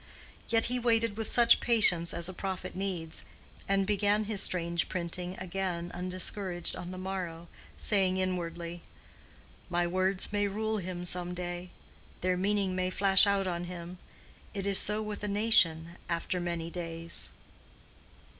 Yet he waited with such patience as a prophet needs, and began his strange printing again undiscouraged on the morrow, saying inwardly, "My words may rule him some day. Their meaning may flash out on him. It is so with a nation—after many days."